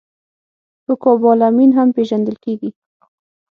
په کوبالامین هم پېژندل کېږي